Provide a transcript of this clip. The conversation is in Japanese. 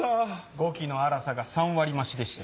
語気の荒さが３割増しでした。